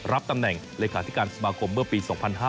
รับตำแหน่งรกฐการสมคมเมื่อปี๒๕๕๖๒๕๕๗